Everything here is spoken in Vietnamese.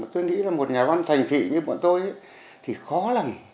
tôi nghĩ là một nhà văn thành thị như bọn tôi thì khó lắm